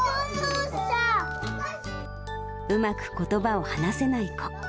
うまくことばを話せない子。